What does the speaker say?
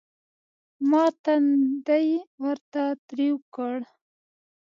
ما تندى ورته تريو کړ.